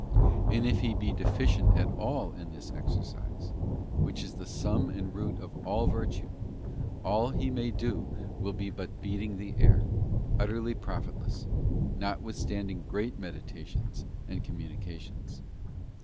And if he be deficient at all in this exercise, which is the sum and root of all virtue, all he may do will be but beating the air—utterly profitless, notwithstanding great meditations and communi cations.